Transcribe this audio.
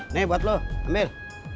nih buat lo ambil